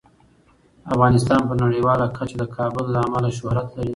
افغانستان په نړیواله کچه د کابل له امله شهرت لري.